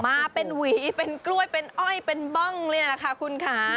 มาเป็นหวีเป็นกล้วยเป็นอ้อยเป็นบ้องเลยล่ะค่ะคุณค่ะ